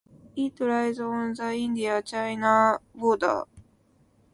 It lies on the India China border.